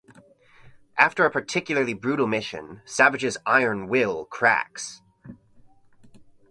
After a particularly brutal mission, Savage's iron will cracks.